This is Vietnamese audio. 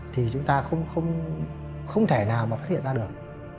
thì chúng ta không thể nào mà phát hiện ra được